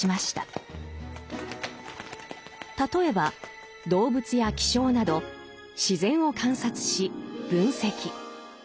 例えば動物や気象など自然を観察し分析。